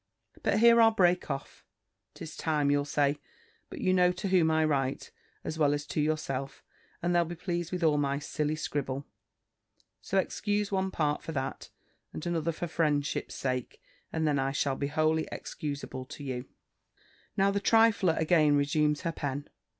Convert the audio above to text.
But here I'll break off. 'Tis time, you'll say. But you know to whom I write, as well as to yourself, and they'll be pleased with all my silly scribble. So excuse one part for that, and another for friendship's sake, and then I shall be wholly excusable to you. Now the trifler again resumes her pen.